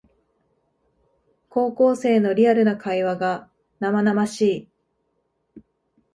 高校生のリアルな会話が生々しい